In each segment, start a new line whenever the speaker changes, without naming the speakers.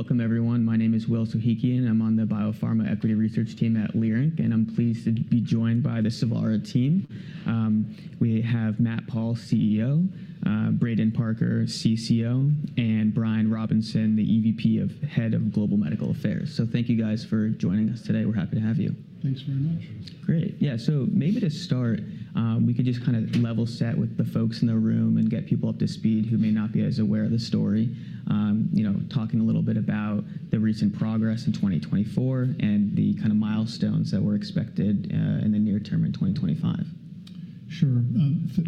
All right. Welcome, everyone. My name is Will Suhikian, and I'm on the Biopharma Equity Research Team at Leerink, and I'm pleased to be joined by the Savara team. We have Matt Pauls, CEO, Braden Parker, CCO, and Brian Robinson, the EVP of Head of Global Medical Affairs. Thank you, guys, for joining us today. We're happy to have you.
Thanks very much.
Great. Yeah, so maybe to start, we could just kind of level set with the folks in the room and get people up to speed who may not be as aware of the story, talking a little bit about the recent progress in 2024 and the kind of milestones that were expected in the near term in 2025.
Sure.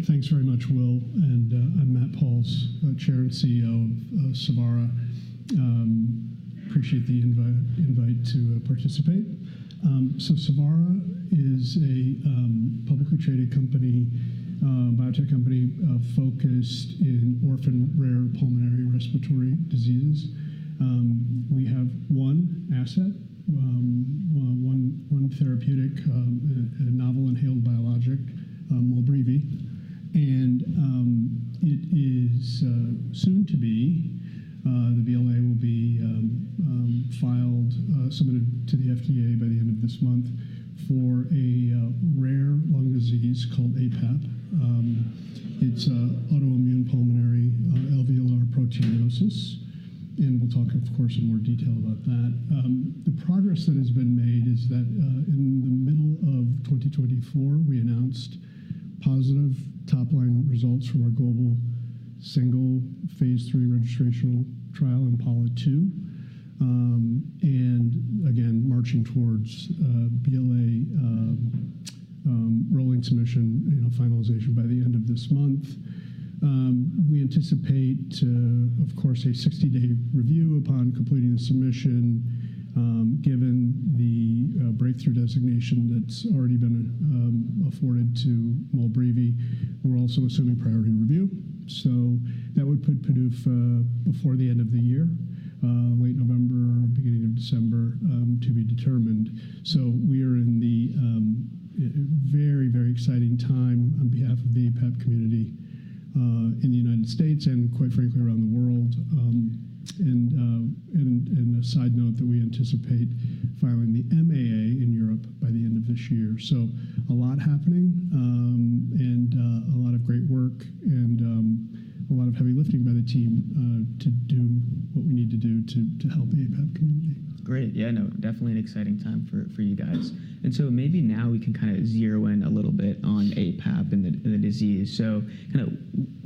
Thanks very much, Will. I'm Matt Pauls, Chair and CEO of Savara. Appreciate the invite to participate. Savara is a publicly traded biotech company focused in orphan rare pulmonary respiratory diseases. We have one asset, one therapeutic, novel inhaled biologic, MOLBREEVI. It is soon to be the BLA will be filed, submitted to the FDA by the end of this month for a rare lung disease called aPAP. It's autoimmune pulmonary alveolar proteinosis. We'll talk, of course, in more detail about that. The progress that has been made is that in the middle of 2024, we announced positive top-line results from our global single phase 3 registration trial in IMPALA-2, and again, marching towards BLA rolling submission finalization by the end of this month. We anticipate, of course, a 60-day review upon completing the submission, given the breakthrough designation that's already been afforded to MOLBREEVI. We're also assuming priority review. That would put PDUFA before the end of the year, late November, beginning of December, to be determined. We are in the very, very exciting time on behalf of the aPAP community in the United States and, quite frankly, around the world. A side note that we anticipate filing the MAA in Europe by the end of this year. A lot happening and a lot of great work and a lot of heavy lifting by the team to do what we need to do to help the aPAP community.
Great. Yeah, no, definitely an exciting time for you guys. Maybe now we can kind of zero in a little bit on aPAP and the disease. Kind of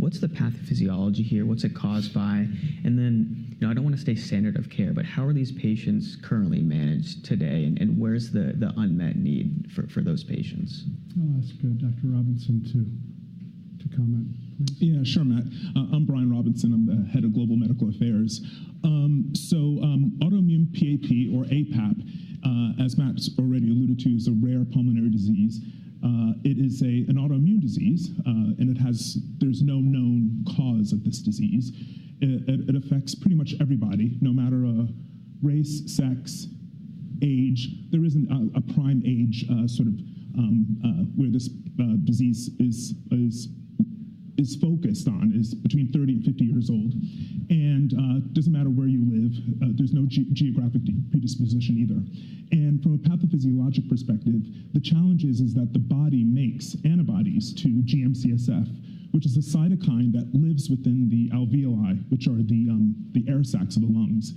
what's the pathophysiology here? What's it caused by? I don't want to say standard of care, but how are these patients currently managed today? Where's the unmet need for those patients?
I'll ask Dr. Robinson to comment.
Yeah, sure, Matt. I'm Brian Robinson. I'm the Head of Global Medical Affairs. Autoimmune PAP, or aPAP, as Matt's already alluded to, is a rare pulmonary disease. It is an autoimmune disease, and there's no known cause of this disease. It affects pretty much everybody, no matter race, sex, age. There isn't a prime age where this disease is focused on, it is between 30 and 50 years old. It doesn't matter where you live. There's no geographic predisposition either. From a pathophysiologic perspective, the challenge is that the body makes antibodies to GM-CSF, which is a cytokine that lives within the alveoli, which are the air sacs of the lungs.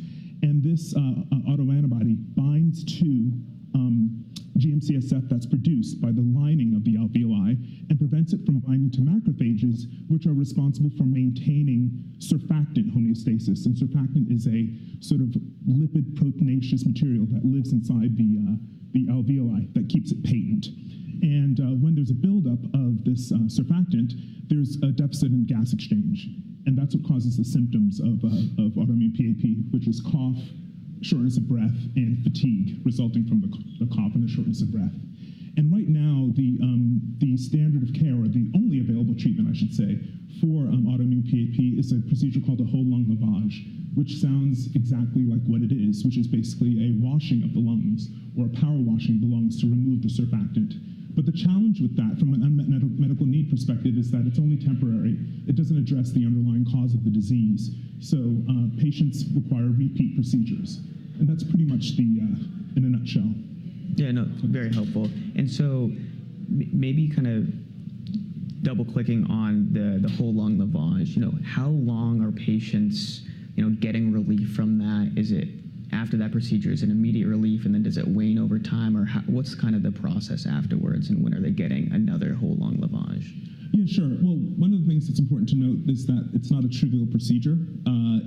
This autoantibody binds to GM-CSF that's produced by the lining of the alveoli and prevents it from binding to macrophages, which are responsible for maintaining surfactant homeostasis. Surfactant is a sort of lipid-proteinaceous material that lives inside the alveoli that keeps it patent. When there is a buildup of this surfactant, there is a deficit in gas exchange. That is what causes the symptoms of autoimmune PAP, which is cough, shortness of breath, and fatigue resulting from the cough and the shortness of breath. Right now, the standard of care, or the only available treatment, I should say, for autoimmune PAP is a procedure called a whole lung lavage, which sounds exactly like what it is, which is basically a washing of the lungs or a power washing of the lungs to remove the surfactant. The challenge with that, from an unmet medical need perspective, is that it is only temporary. It does not address the underlying cause of the disease. Patients require repeat procedures. That is pretty much it, in a nutshell.
Yeah, no, very helpful. Maybe kind of double-clicking on the whole lung lavage, how long are patients getting relief from that? Is it after that procedure, is it an immediate relief, and then does it wane over time? What is kind of the process afterwards, and when are they getting another whole lung lavage?
Yeah, sure. One of the things that's important to note is that it's not a trivial procedure.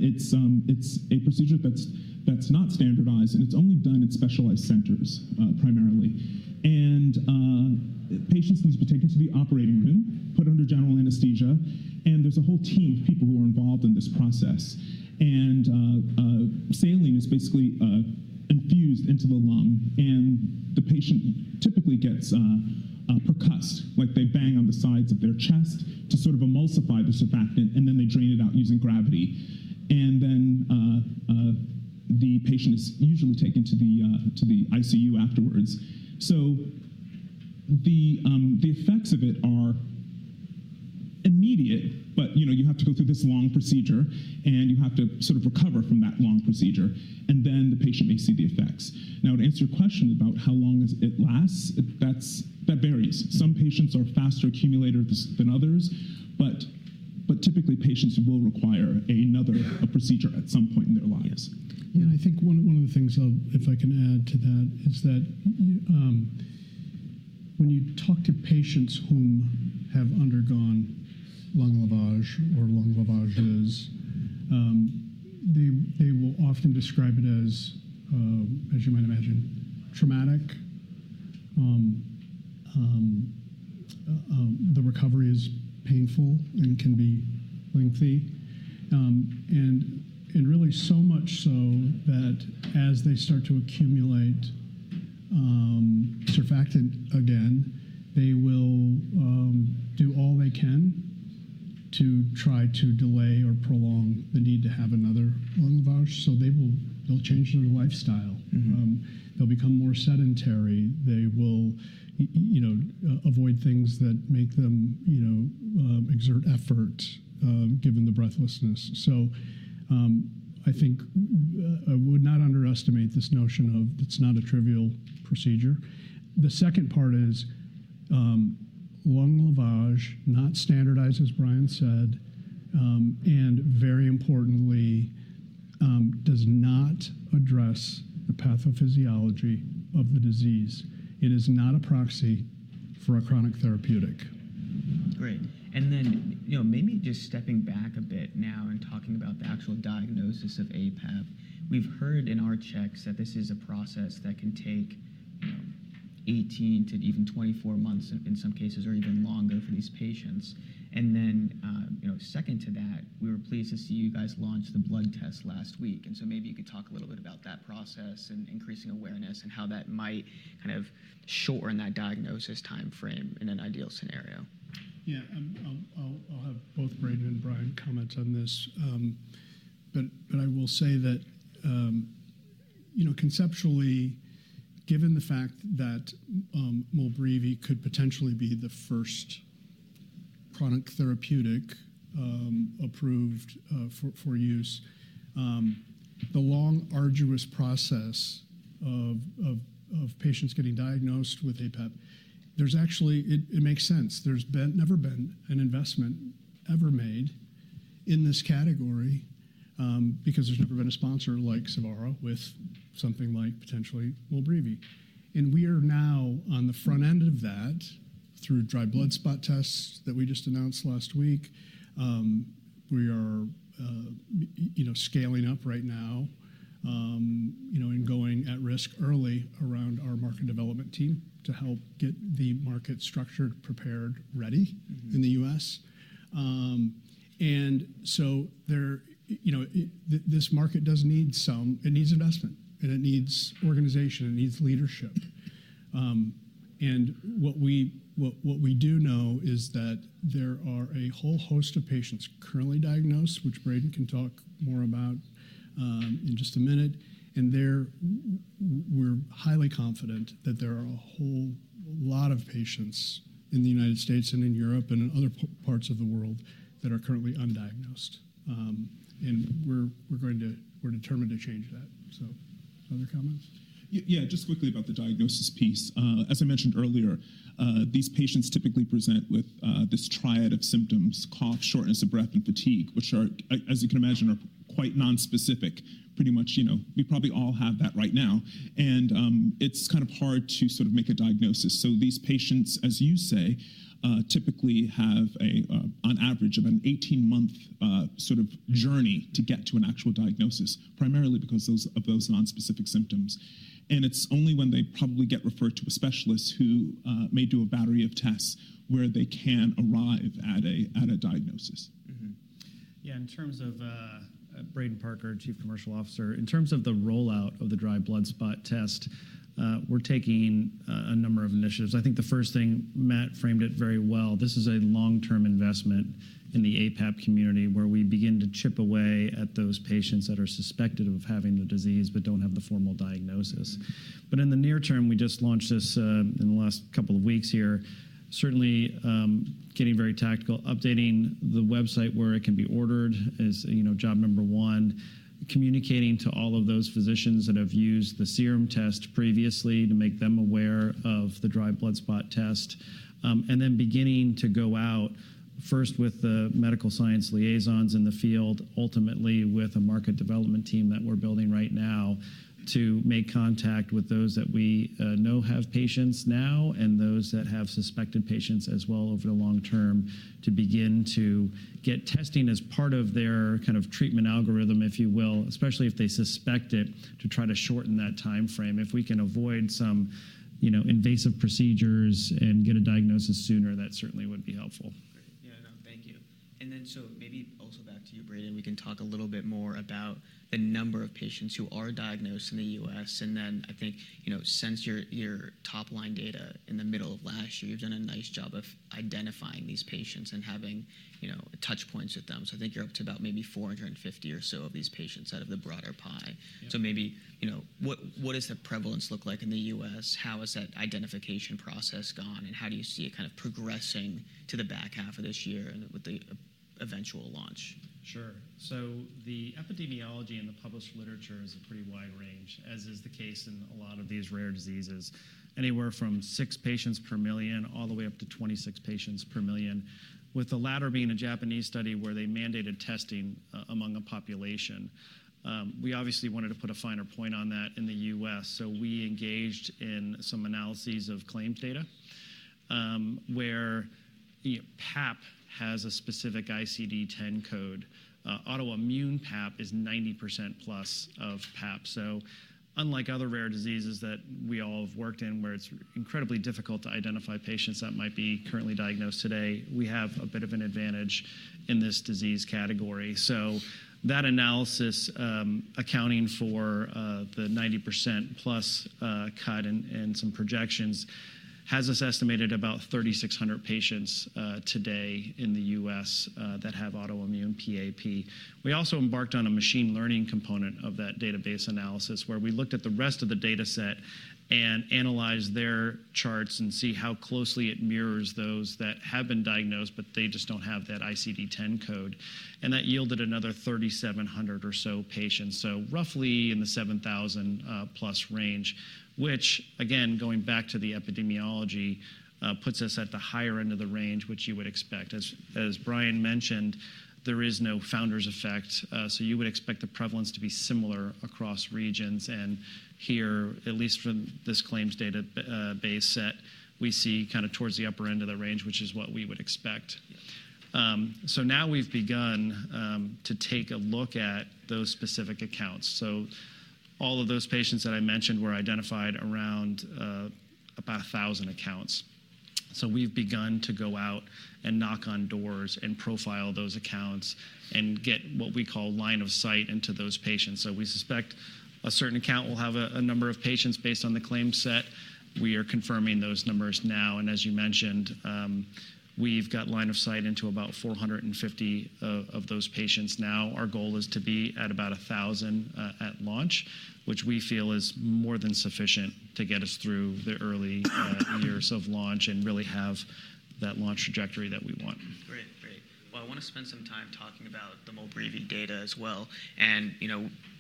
It's a procedure that's not standardized, and it's only done in specialized centers, primarily. Patients need to be taken to the operating room, put under general anesthesia, and there's a whole team of people who are involved in this process. Saline is basically infused into the lung, and the patient typically gets percussed, like they bang on the sides of their chest to sort of emulsify the surfactant, and then they drain it out using gravity. The patient is usually taken to the ICU afterwards. The effects of it are immediate, but you have to go through this long procedure, and you have to sort of recover from that long procedure. The patient may see the effects. Now, to answer your question about how long it lasts, that varies. Some patients are faster accumulators than others, but typically, patients will require another procedure at some point in their lives.
Yeah, I think one of the things I'll, if I can add to that, is that when you talk to patients who have undergone lung lavage or lung lavages, they will often describe it as, as you might imagine, traumatic. The recovery is painful and can be lengthy, and really so much so that as they start to accumulate surfactant again, they will do all they can to try to delay or prolong the need to have another lung lavage. They will change their lifestyle. They will become more sedentary. They will avoid things that make them exert effort, given the breathlessness. I think I would not underestimate this notion of it's not a trivial procedure. The second part is lung lavage not standardized, as Brian said, and very importantly, does not address the pathophysiology of the disease. It is not a proxy for a chronic therapeutic.
Great. Maybe just stepping back a bit now and talking about the actual diagnosis of aPAP, we've heard in our checks that this is a process that can take 18 to even 24 months in some cases, or even longer for these patients. Second to that, we were pleased to see you guys launch the blood test last week. Maybe you could talk a little bit about that process and increasing awareness and how that might kind of shorten that diagnosis time frame in an ideal scenario.
Yeah, I'll have both Braden and Brian comment on this. I will say that conceptually, given the fact that MOLBREEVI could potentially be the first chronic therapeutic approved for use, the long arduous process of patients getting diagnosed with aPAP, it actually makes sense. There's never been an investment ever made in this category because there's never been a sponsor like Savara with something like potentially MOLBREEVI. We are now on the front end of that through dry blood spot tests that we just announced last week. We are scaling up right now and going at risk early around our market development team to help get the market structured, prepared, ready in the U.S. This market does need some investment, and it needs organization, it needs leadership. What we do know is that there are a whole host of patients currently diagnosed, which Braden can talk more about in just a minute. We are highly confident that there are a whole lot of patients in the United States and in Europe and in other parts of the world that are currently undiagnosed. We are determined to change that. Other comments?
Yeah, just quickly about the diagnosis piece. As I mentioned earlier, these patients typically present with this triad of symptoms: cough, shortness of breath, and fatigue, which are, as you can imagine, quite nonspecific. Pretty much we probably all have that right now. It's kind of hard to sort of make a diagnosis. These patients, as you say, typically have an average of an 18-month sort of journey to get to an actual diagnosis, primarily because of those nonspecific symptoms. It's only when they probably get referred to a specialist who may do a battery of tests where they can arrive at a diagnosis.
Yeah, in terms of Braden Parker, Chief Commercial Officer, in terms of the rollout of the dry blood spot test, we're taking a number of initiatives. I think the first thing Matt framed it very well. This is a long-term investment in the aPAP community where we begin to chip away at those patients that are suspected of having the disease but don't have the formal diagnosis. In the near term, we just launched this in the last couple of weeks here, certainly getting very tactical, updating the website where it can be ordered as job number one, communicating to all of those physicians that have used the serum test previously to make them aware of the dry blood spot test, and then beginning to go out first with the medical science liaisons in the field, ultimately with a market development team that we're building right now to make contact with those that we know have patients now and those that have suspected patients as well over the long term to begin to get testing as part of their kind of treatment algorithm, if you will, especially if they suspect it, to try to shorten that time frame. If we can avoid some invasive procedures and get a diagnosis sooner, that certainly would be helpful. Yeah. Thank you. Maybe also back to you, Braden, we can talk a little bit more about the number of patients who are diagnosed in the U.S. I think since your top-line data in the middle of last year, you've done a nice job of identifying these patients and having touch points with them. I think you're up to about maybe 450 or so of these patients out of the broader pie. What does the prevalence look like in the U.S.? How has that identification process gone? How do you see it kind of progressing to the back half of this year with the eventual launch?
Sure. The epidemiology in the published literature is a pretty wide range, as is the case in a lot of these rare diseases, anywhere from 6 patients per million all the way up to 26 patients per million, with the latter being a Japanese study where they mandated testing among a population. We obviously wanted to put a finer point on that in the U.S. We engaged in some analyses of claims data where PAP has a specific ICD-10 code. Autoimmune PAP is 90% plus of PAP. Unlike other rare diseases that we all have worked in where it is incredibly difficult to identify patients that might be currently diagnosed today, we have a bit of an advantage in this disease category. That analysis, accounting for the 90% plus cut and some projections, has us estimated at about 3,600 patients today in the U.S. that have autoimmune PAP. We also embarked on a machine learning component of that database analysis where we looked at the rest of the data set and analyzed their charts and see how closely it mirrors those that have been diagnosed, but they just don't have that ICD-10 code. That yielded another 3,700 or so patients, so roughly in the 7,000 plus range, which, again, going back to the epidemiology, puts us at the higher end of the range, which you would expect. As Brian mentioned, there is no founder's effect. You would expect the prevalence to be similar across regions. Here, at least from this claims database set, we see kind of towards the upper end of the range, which is what we would expect. Now we've begun to take a look at those specific accounts. All of those patients that I mentioned were identified around about 1,000 accounts. We have begun to go out and knock on doors and profile those accounts and get what we call line of sight into those patients. We suspect a certain account will have a number of patients based on the claim set. We are confirming those numbers now. As you mentioned, we have got line of sight into about 450 of those patients now. Our goal is to be at about 1,000 at launch, which we feel is more than sufficient to get us through the early years of launch and really have that launch trajectory that we want. Great. Great. I want to spend some time talking about the MOLBREEVI data as well.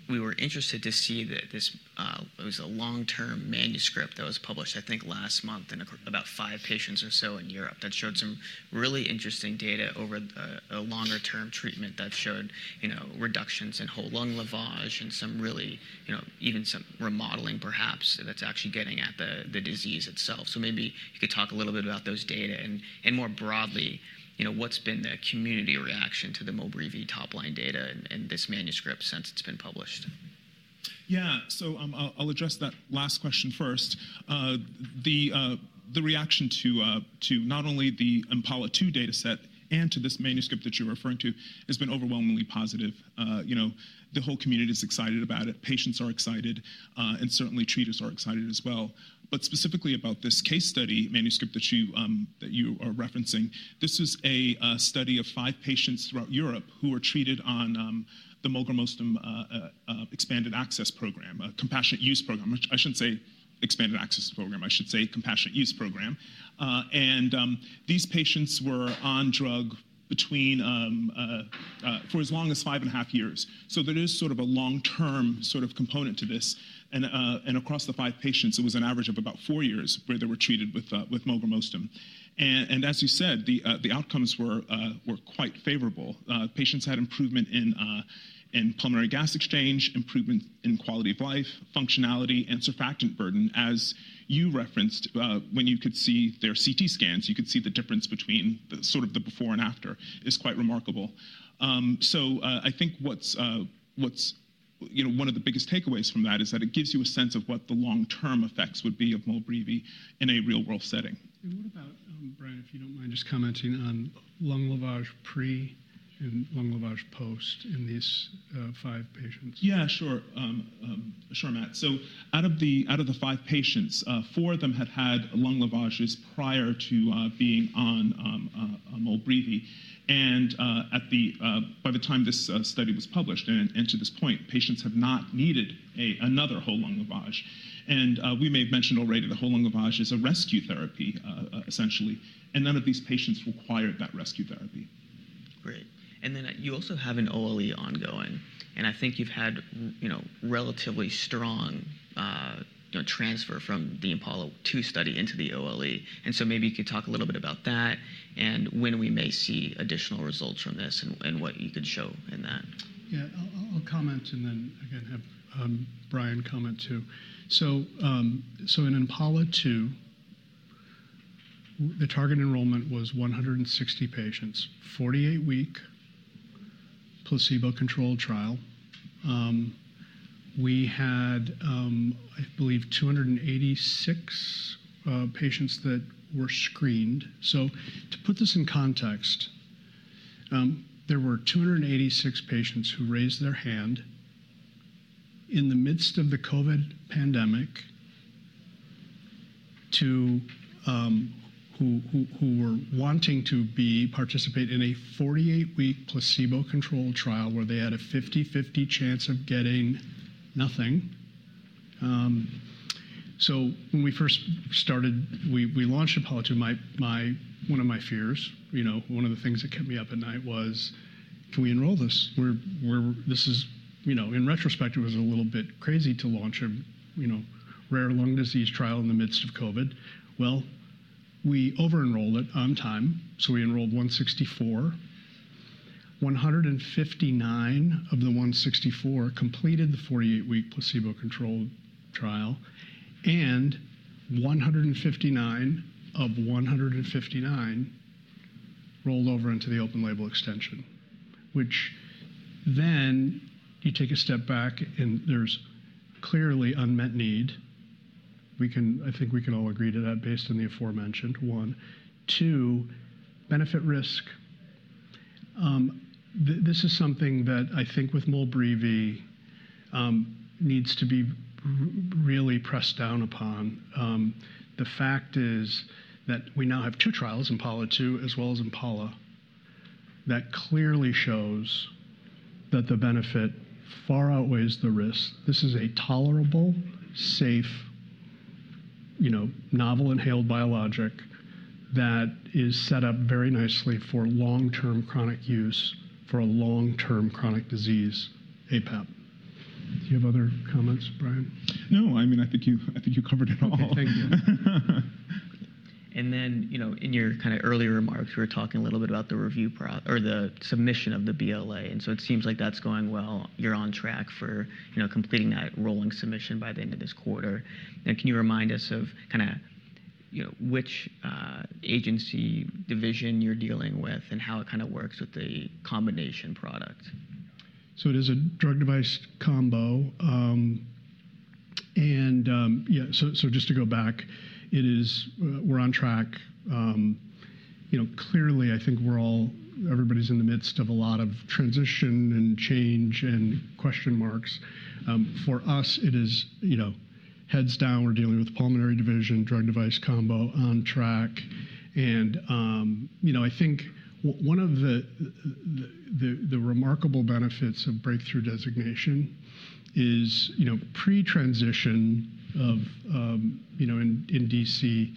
We were interested to see that this was a long-term manuscript that was published, I think, last month in about five patients or so in Europe that showed some really interesting data over a longer-term treatment that showed reductions in whole lung lavage and some really even some remodeling, perhaps, that's actually getting at the disease itself. Maybe you could talk a little bit about those data. More broadly, what's been the community reaction to the MOLBREEVI top-line data and this manuscript since it's been published?
Yeah, so I'll address that last question first. The reaction to not only the IMPALA-2 dataset and to this manuscript that you're referring to has been overwhelmingly positive. The whole community is excited about it. Patients are excited, and certainly treaters are excited as well. Specifically about this case study manuscript that you are referencing, this is a study of five patients throughout Europe who are treated on the MOLBREEVI Compassionate Use Program, a compassionate use program. I shouldn't say Expanded Access Program. I should say Compassionate Use Program. These patients were on drug for as long as five and a half years. There is sort of a long-term sort of component to this. Across the five patients, it was an average of about four years where they were treated with MOLBREEVI. As you said, the outcomes were quite favorable. Patients had improvement in pulmonary gas exchange, improvement in quality of life, functionality, and surfactant burden. As you referenced, when you could see their CT scans, you could see the difference between sort of the before and after is quite remarkable. I think one of the biggest takeaways from that is that it gives you a sense of what the long-term effects would be of MOLBREEVI in a real-world setting.
Brian, if you don't mind just commenting on lung lavage pre and lung lavage post in these five patients?
Yeah, sure. Sure, Matt. Out of the five patients, four of them had had whole lung lavages prior to being on MOLBREEVI. By the time this study was published and to this point, patients have not needed another whole lung lavage. We may have mentioned already the whole lung lavage is a rescue therapy, essentially. None of these patients required that rescue therapy.
Great. You also have an OLE ongoing. I think you've had relatively strong transfer from the IMPALA-2 study into the OLE. Maybe you could talk a little bit about that and when we may see additional results from this and what you could show in that.
Yeah, I'll comment and then, again, have Brian comment too. In IMPALA-2, the target enrollment was 160 patients, 48-week placebo-controlled trial. We had, I believe, 286 patients that were screened. To put this in context, there were 286 patients who raised their hand in the midst of the COVID pandemic who were wanting to participate in a 48-week placebo-controlled trial where they had a 50/50 chance of getting nothing. When we first started, we launched IMPALA-2. One of my fears, one of the things that kept me up at night was, can we enroll this? In retrospect, it was a little bit crazy to launch a rare lung disease trial in the midst of COVID. We over-enrolled it on time. We enrolled 164. 159 of the 164 completed the 48-week placebo-controlled trial. hundred fifty-nine of 159 rolled over into the open-label extension, which then you take a step back, and there's clearly unmet need. I think we can all agree to that based on the aforementioned one. Two, benefit-risk. This is something that I think with MOLBREEVI needs to be really pressed down upon. The fact is that we now have two trials, IMPALA-2 as well as IMPALA, that clearly shows that the benefit far outweighs the risk. This is a tolerable, safe, novel inhaled biologic that is set up very nicely for long-term chronic use for a long-term chronic disease, aPAP. Do you have other comments, Brian?
No, I mean, I think you covered it all.
Thank you. In your kind of earlier remarks, we were talking a little bit about the submission of the BLA. It seems like that's going well. You're on track for completing that rolling submission by the end of this quarter. Can you remind us of kind of which agency division you're dealing with and how it kind of works with the combination product?
It is a drug-device combo. Just to go back, we're on track. Clearly, I think everybody's in the midst of a lot of transition and change and question marks. For us, it is heads down. We're dealing with the pulmonary division, drug-device combo, on track. I think one of the remarkable benefits of breakthrough designation is pre-transition in D.C.,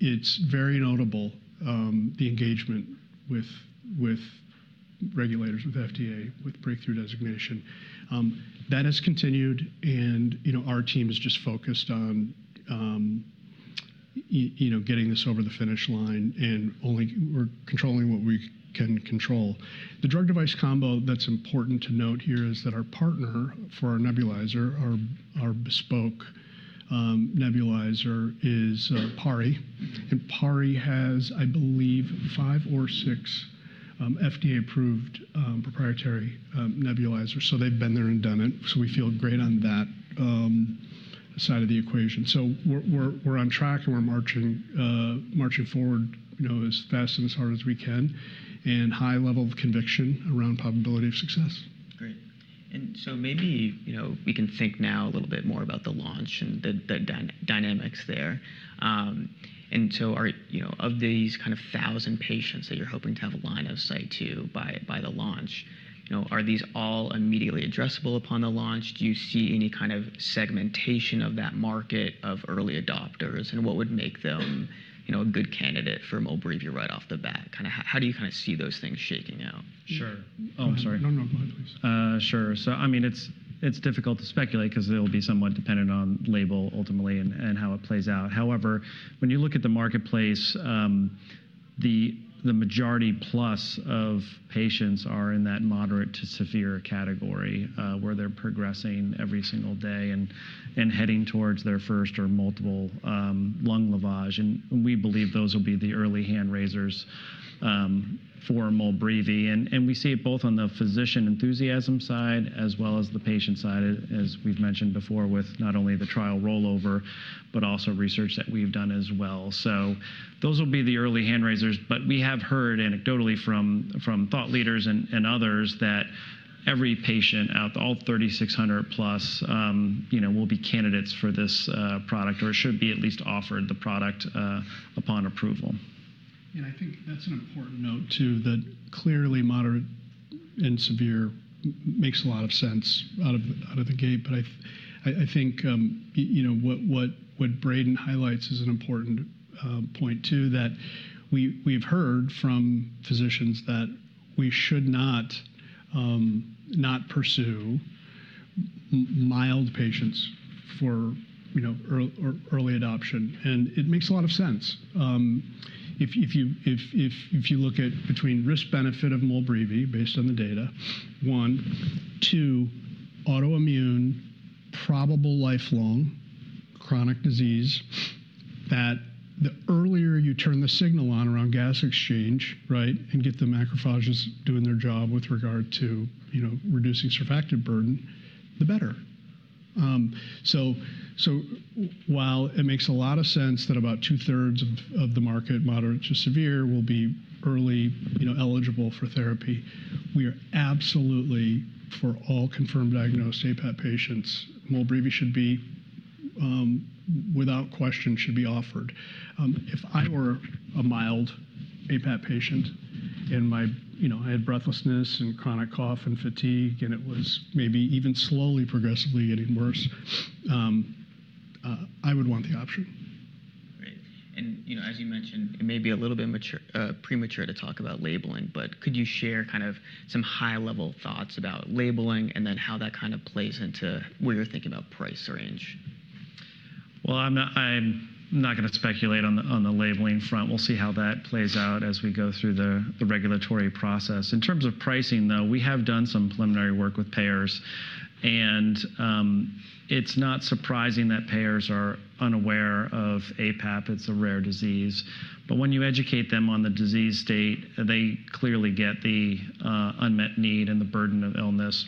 it's very notable the engagement with regulators, with FDA, with breakthrough designation. That has continued. Our team is just focused on getting this over the finish line and only controlling what we can control. The drug-device combo, that's important to note here, is that our partner for our nebulizer, our bespoke nebulizer, is PARI. PARI has, I believe, five or six FDA-approved proprietary nebulizers. They've been there and done it. We feel great on that side of the equation. We're on track and we're marching forward as fast and as hard as we can and high level of conviction around probability of success.
Great. Maybe we can think now a little bit more about the launch and the dynamics there. Of these kind of 1,000 patients that you're hoping to have a line of sight to by the launch, are these all immediately addressable upon the launch? Do you see any kind of segmentation of that market of early adopters? What would make them a good candidate for MOLBREEVI right off the bat? How do you kind of see those things shaking out?
Sure. Oh, I'm sorry.
No, no, go ahead, please.
Sure. I mean, it's difficult to speculate because it'll be somewhat dependent on label ultimately and how it plays out. However, when you look at the marketplace, the majority plus of patients are in that moderate to severe category where they're progressing every single day and heading towards their first or multiple lung lavage. We believe those will be the early hand raisers for MOLBREEVI. We see it both on the physician enthusiasm side as well as the patient side, as we've mentioned before, with not only the trial rollover, but also research that we've done as well. Those will be the early hand raisers. We have heard anecdotally from thought leaders and others that every patient out of all 3,600 plus will be candidates for this product or should be at least offered the product upon approval.
I think that's an important note, too, that clearly moderate and severe makes a lot of sense out of the gate. I think what Braden highlights is an important point, too, that we've heard from physicians that we should not pursue mild patients for early adoption. It makes a lot of sense. If you look at between risk-benefit of MOLBREEVI based on the data, one. Two, autoimmune, probable lifelong chronic disease that the earlier you turn the signal on around gas exchange, right, and get the macrophages doing their job with regard to reducing surfactant burden, the better. While it makes a lot of sense that about two-thirds of the market, moderate to severe, will be early eligible for therapy, we are absolutely for all confirmed diagnosed aPAP patients, MOLBREEVI should be without question should be offered. If I were a mild aPAP patient and I had breathlessness and chronic cough and fatigue and it was maybe even slowly progressively getting worse, I would want the option.
Great. As you mentioned, it may be a little bit premature to talk about labeling. Could you share kind of some high-level thoughts about labeling and then how that kind of plays into where you're thinking about price range?
I'm not going to speculate on the labeling front. We'll see how that plays out as we go through the regulatory process. In terms of pricing, though, we have done some preliminary work with payers. It's not surprising that payers are unaware of aPAP. It's a rare disease. When you educate them on the disease state, they clearly get the unmet need and the burden of illness.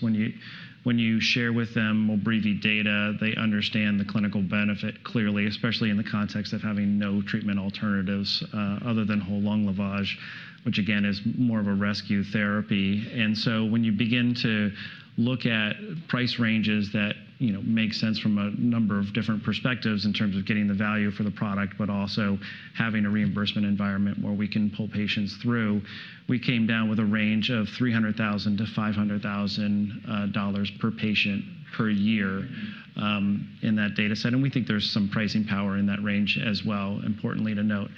When you share with them MOLBREEVI data, they understand the clinical benefit clearly, especially in the context of having no treatment alternatives other than whole lung lavage, which, again, is more of a rescue therapy. When you begin to look at price ranges that make sense from a number of different perspectives in terms of getting the value for the product, but also having a reimbursement environment where we can pull patients through, we came down with a range of $300,000-$500,000 per patient per year in that dataset. We think there's some pricing power in that range as well, importantly to note.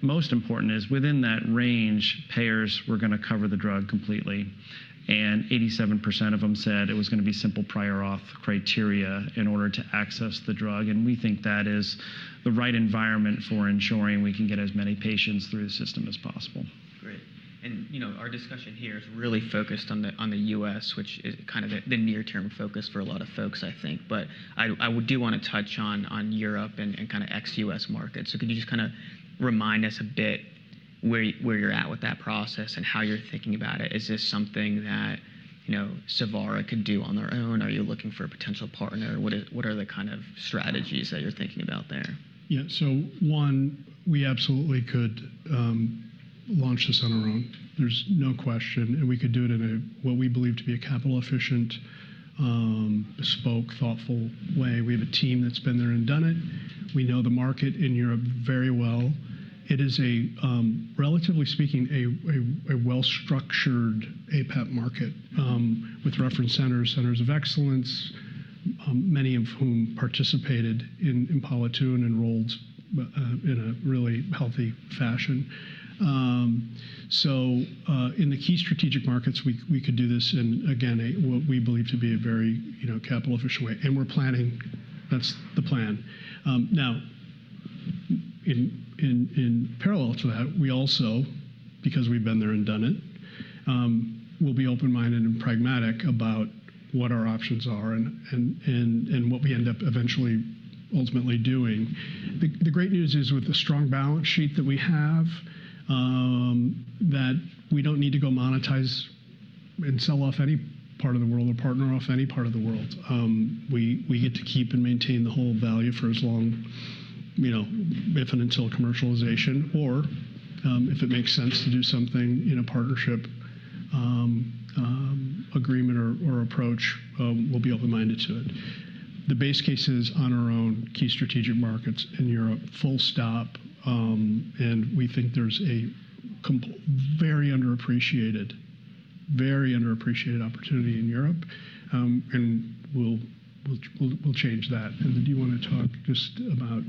Most important is within that range, payers were going to cover the drug completely. 87% of them said it was going to be simple prior auth criteria in order to access the drug. We think that is the right environment for ensuring we can get as many patients through the system as possible.
Great. Our discussion here is really focused on the US, which is kind of the near-term focus for a lot of folks, I think. I do want to touch on Europe and kind of ex-US markets. Could you just kind of remind us a bit where you're at with that process and how you're thinking about it? Is this something that Savara could do on their own? Are you looking for a potential partner? What are the kind of strategies that you're thinking about there?
Yeah. One, we absolutely could launch this on our own. There's no question. We could do it in what we believe to be a capital-efficient, bespoke, thoughtful way. We have a team that's been there and done it. We know the market in Europe very well. It is, relatively speaking, a well-structured aPAP market with reference centers, centers of excellence, many of whom participated in IMPALA-2 and enrolled in a really healthy fashion. In the key strategic markets, we could do this in, again, what we believe to be a very capital-efficient way. We're planning. That's the plan. In parallel to that, we also, because we've been there and done it, will be open-minded and pragmatic about what our options are and what we end up eventually ultimately doing. The great news is with the strong balance sheet that we have that we don't need to go monetize and sell off any part of the world or partner off any part of the world. We get to keep and maintain the whole value for as long if and until commercialization or if it makes sense to do something in a partnership agreement or approach, we'll be open-minded to it. The base case is on our own key strategic markets in Europe. Full stop. We think there's a very underappreciated, very underappreciated opportunity in Europe. We'll change that. Do you want to talk just about prevalence and maybe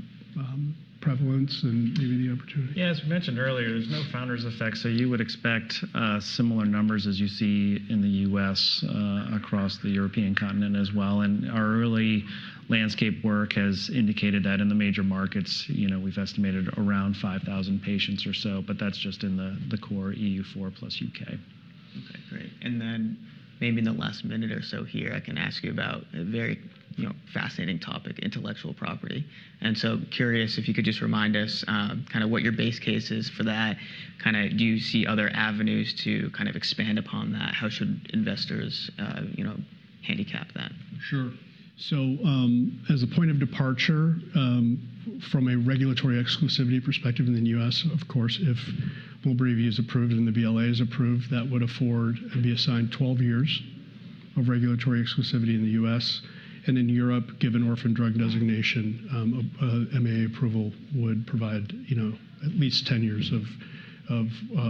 the opportunity?
Yeah. As we mentioned earlier, there's no founder's effect. You would expect similar numbers as you see in the U.S. across the European continent as well. Our early landscape work has indicated that in the major markets, we've estimated around 5,000 patients or so. That's just in the core EU4 plus U.K.
Okay. Great. Maybe in the last minute or so here, I can ask you about a very fascinating topic, intellectual property. I am curious if you could just remind us kind of what your base case is for that. Kind of do you see other avenues to kind of expand upon that? How should investors handicap that?
Sure. As a point of departure from a regulatory exclusivity perspective in the U.S., of course, if MOLBREEVI is approved and the BLA is approved, that would be assigned 12 years of regulatory exclusivity in the U.S. In Europe, given orphan drug designation, MAA approval would provide at least 10 years of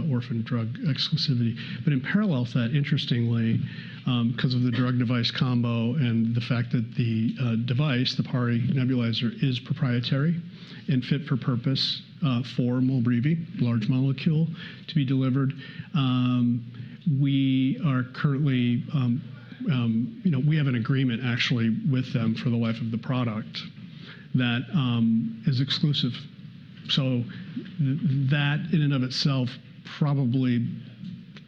orphan drug exclusivity. In parallel to that, interestingly, because of the drug-device combo and the fact that the device, the PARI nebulizer, is proprietary and fit for purpose for MOLBREEVI, large molecule to be delivered, we have an agreement actually with them for the life of the product that is exclusive. That in and of itself probably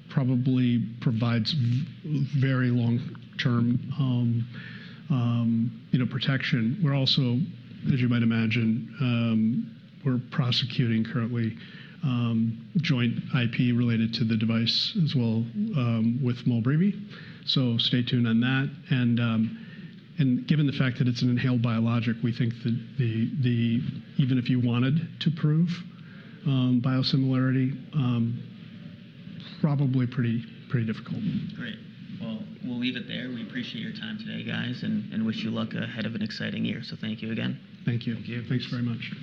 provides very long-term protection. We're also, as you might imagine, prosecuting currently joint IP related to the device as well with MOLBREEVI. Stay tuned on that. Given the fact that it's an inhaled biologic, we think that even if you wanted to prove biosimilarity, probably pretty difficult.
Great. Well, we'll leave it there. We appreciate your time today, guys, and wish you luck ahead of an exciting year. Thank you again.
Thank you.
Thank you.
Thanks very much.